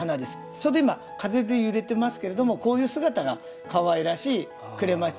ちょうど今風で揺れてますけれどもこういう姿がかわいらしいクレマチスですね。